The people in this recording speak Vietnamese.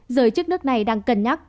giới chức nước này đang cân nhắc